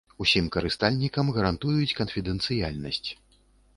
Усім карыстальнікам гарантуюць канфідэнцыяльнасць.